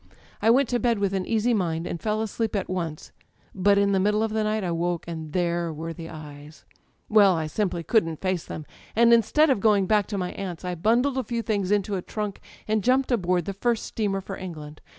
I went to bed with an easy mind, and fell asleep at once; but in the middle of the night I woke, and there were the eyes ... '^Well, I simply couldn't face them; and instead of going back to my aunt's I bundled a few things into a trunk and jumped aboard the first steamer for England.